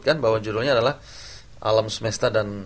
mari berjalan ke sion